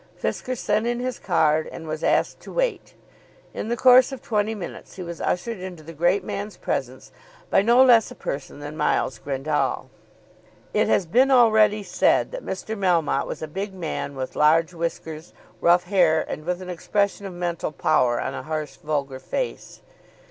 Fisker sent in his card, and was asked to wait. In the course of twenty minutes he was ushered into the great man's presence by no less a person than Miles Grendall. It has been already said that Mr. Melmotte was a big man with large whiskers, rough hair, and with an expression of mental power on a harsh vulgar face.